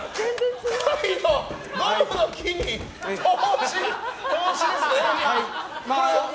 タイのゴムの木に投資ですね。